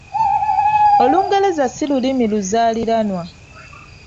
Olungereza si Lulimi luzaaliranwa.